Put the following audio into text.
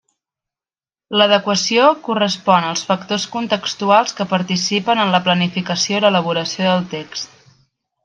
L'adequació correspon als factors contextuals que participen en la planificació i l'elaboració del text.